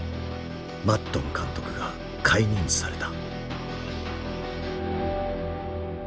マッドン監督が解任された。